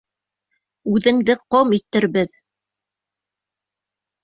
Үҙеңде ҡом итербеҙ!